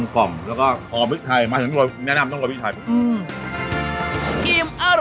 กลมแล้วก็ขอบพิทัยหมายถึงแนะนำตรงกว่าพิทัยอืม